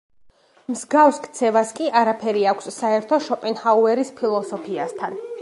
მსგავს ქცევას კი არაფერი აქვს საერთო შოპენჰაუერის ფილოსოფიასთან.